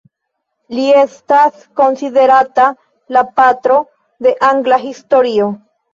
Li estas konsiderata "la patro de angla historio".